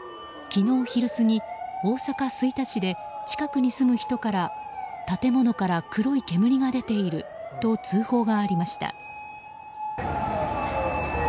昨日昼過ぎ、大阪・吹田市で近くに住む人から建物から黒い煙が出ていると通報がありました。